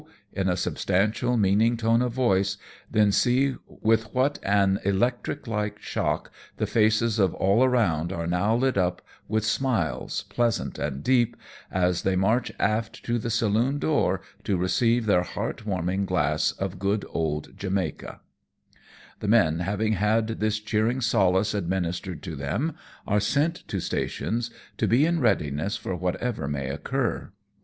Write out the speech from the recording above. ^' in a substantial meaning tone of voice, then see with what an electric like shock the faces of all around are now lit up with smiles, pleasant and deep, as they march aft to the saloon door to receive their heart warming glass of good old Jamaica. Jf'E OUTMANCEUVRE THE LORCHAS. 117 The men having had this cheering solace adminis tered to them are sent to stations^ to be in readiness for whatever may occur.